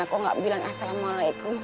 aku gak bilang assalamualaikum